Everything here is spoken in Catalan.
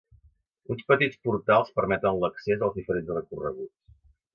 Uns petits portals permeten l'accés als diferents recorreguts.